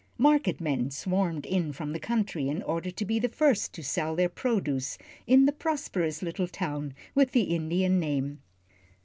Market men swarmed in from the country in order to be the first to sell their produce in the prosperous little town with the Indian name.